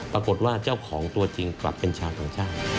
ปรากฏว่าเจ้าของตัวจริงกลับเป็นชาวต่างชาติ